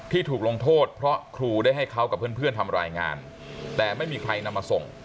ถูกลงโทษเพราะครูได้ให้เขากับเพื่อนทำรายงานแต่ไม่มีใครนำมาส่ง